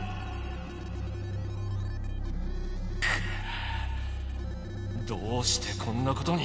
くっどうしてこんなことに。